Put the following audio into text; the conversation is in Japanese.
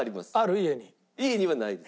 家にはないです。